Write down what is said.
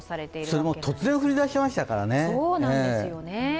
それも突然、降り出しましたからね。